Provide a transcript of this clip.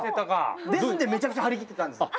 ですんでめちゃくちゃ張り切ってたんです。